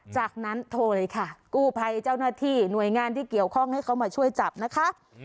จากนั้นโทรเลยค่ะกู้ภัยเจ้าหน้าที่หน่วยงานที่เกี่ยวข้องให้เขามาช่วยจับนะคะ